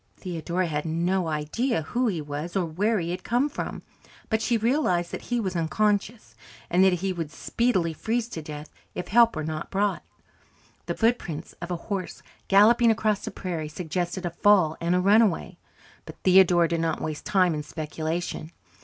Theodora had no idea who he was, or where he had come from. But she realized that he was unconscious, and that he would speedily freeze to death if help were not brought. The footprints of a horse galloping across the prairie suggested a fall and a runaway, but Theodora did not waste time in speculation.